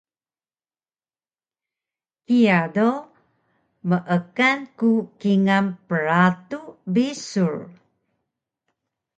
Kiya do meekan ku kingal pratu bisur